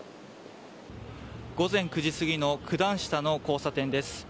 午前９時過ぎの九段下の交差点です。